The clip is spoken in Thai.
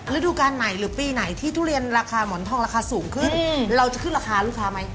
ฤดูการไหนหรือปีไหนที่ทุเรียนราคาหมอนทองราคาสูงขึ้นเราจะขึ้นราคาลูกค้าไหม